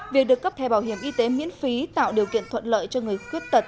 việc được cấp thẻ bảo hiểm y tế miễn phí tạo điều kiện thuận lợi cho người khuyết tật